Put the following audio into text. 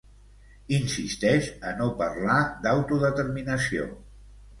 Insisteix a no parlar d'autodeterminació.